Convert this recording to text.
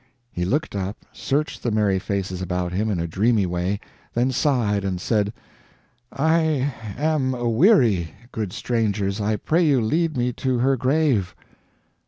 He looked up, searched the merry faces about him in a dreamy way, then sighed and said: "I am aweary, good strangers, I pray you lead me to her grave."